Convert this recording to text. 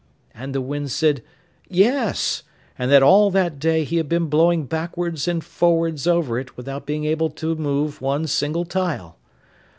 And the wind said yes, and that all that day he had been blowing backwards and forwards over it without being able to move one single tile.